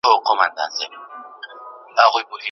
پوهنتون باید د محصلینو لپاره تکړه لارښودان برابر کړي.